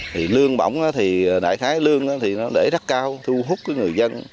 thì lương bổng thì đại khái lương thì nó để rất cao thu hút người dân